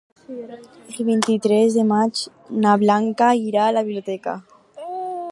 El vint-i-tres de maig na Blanca irà a la biblioteca.